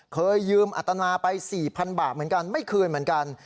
เคยยืมอัตนาไป๔๐๐๐บาทเหมือนกันไม่คืนเหมือนกัน